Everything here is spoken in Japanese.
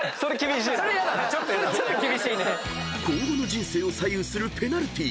［今後の人生を左右するペナルティー］